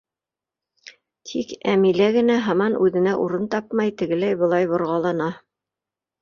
Тик Әмилә генә һаман үҙенә урын тапмай, тегеләй-былай борғалана.